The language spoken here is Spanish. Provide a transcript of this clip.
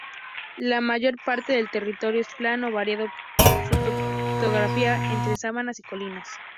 La mayor parte del territorio es plano, variando su topografía entre sabanas y colinas.